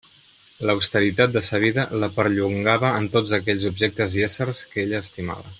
L'austeritat de sa vida la perllongava en tots aquells objectes i éssers que ella estimava.